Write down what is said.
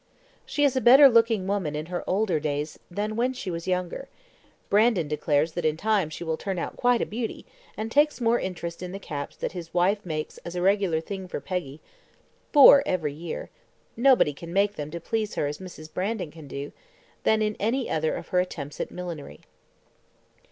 She is a better looking woman in her older days than when she was younger. Brandon declares that in time she will turn out quite a beauty, and takes more interest in the caps that his wife makes as a regular thing for Peggy four every year (nobody can make them to please her as Mrs. Brandon can do) than in any other of her attempts at millinery.